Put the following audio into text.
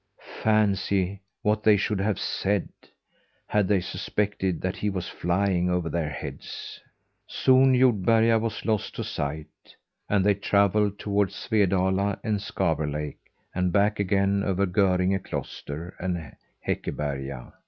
Fancy what they would have said, had they suspected that he was flying over their heads! Soon Jordberga was lost to sight, and they travelled towards Svedala and Skaber Lake and back again over Görringe Cloister and Häckeberga.